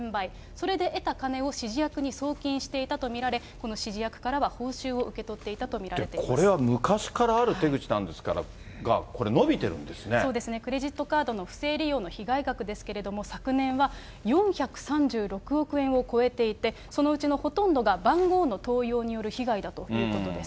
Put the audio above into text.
それで得た金を指示役に送金していたと見られ、この指示役からは報酬を受け取っていたと見られてこれは昔からある手口なんですが、そうですね、クレジットカードの不正利用の被害額ですけれども、昨年は４３６億円を超えていて、そのうちのほとんどが番号の盗用による被害だということです。